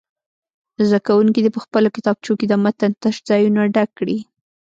زده کوونکي دې په خپلو کتابچو کې د متن تش ځایونه ډک کړي.